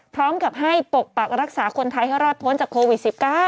พร้อมกับให้ปกปักรักษาคนไทยให้รอดพ้นจากโควิด๑๙